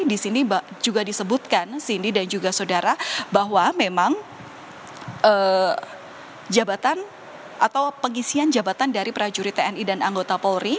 di sini juga disebutkan cindy dan juga saudara bahwa memang jabatan atau pengisian jabatan dari prajurit tni dan anggota polri